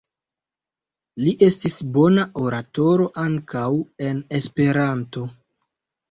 Li estis bona oratoro ankaŭ en Esperanto.